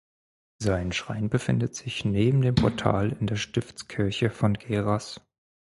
Sein Schrein befindet sich neben dem Portal in der Stiftskirche von Geras.